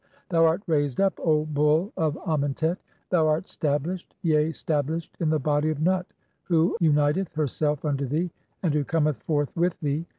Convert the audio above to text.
Thou art raised up, O Bull of Amentet, "thou art stablished, yea stablished in the body of Nut, who "uniteth herself (18) unto thee, and who cometh forth with thee.